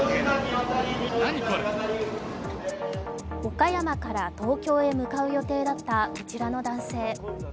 岡山から東京へ向かう予定だったこちらの男性。